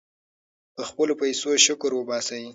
په خپلو پیسو شکر وباسئ.